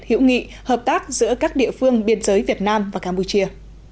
hữu nghị hợp tác giữa các địa phương biên giới việt nam và campuchia